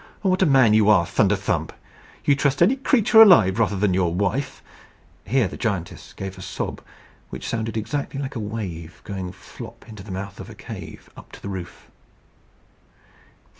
"What a man you are, Thunderthump! You trust any creature alive rather than your wife." Here the giantess gave a sob which sounded exactly like a wave going flop into the mouth of a cave up to the roof.